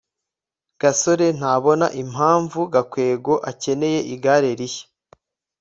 gasore ntabona impamvu gakwego akeneye igare rishya